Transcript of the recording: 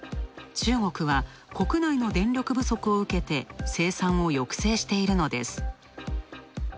中国は国内の電力不足をうけて生産を抑制しているのです。